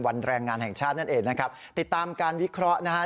แรงงานแห่งชาตินั่นเองนะครับติดตามการวิเคราะห์นะฮะ